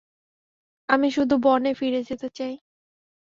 আমি শুধু বনে ফিরে যেতে চাই।